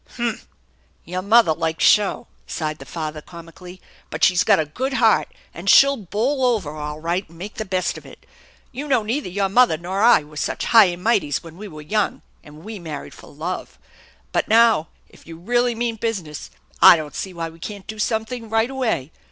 " H'm ! Your mother likes show," sighed the father com ically, "but she's got a good heart, and she'll bowl over all right and make the best of it. You know neither your mother nor I were such high and mighties when we were young, and we married for love. But now, if you really mean business, I don't see why we can't do something right away.